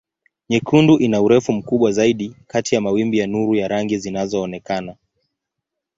Nyekundu ina urefu mkubwa zaidi kati ya mawimbi ya nuru ya rangi zinazoonekana.